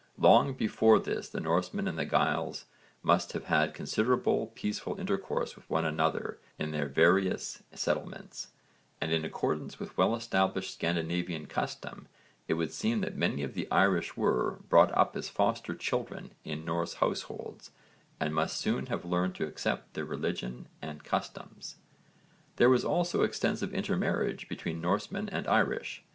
Long before this the Norsemen and the Gaels must have had considerable peaceful intercourse with one another in their various settlements, and in accordance with well established Scandinavian custom it would seem that many of the Irish were brought up as foster children in Norse households and must soon have learned to accept their religion and customs. There was also extensive intermarriage between Norsemen and Irish.